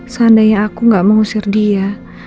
seandainya aku gak mengusir dia